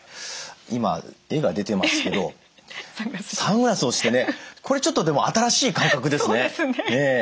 今絵が出てますけどサングラスをしてねこれちょっと新しい感覚ですね。